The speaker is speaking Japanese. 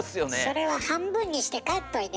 それは半分にして帰っといで。